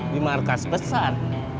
di markas besar